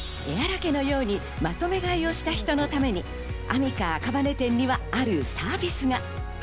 エハラ家のようにまとめ買いをした人のためにアミカ赤羽店にはあるサービスが。